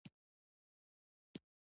زه په منډه د کور د دروازې پلو ته لاړم.